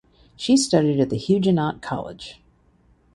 She studied at the Huguenot College.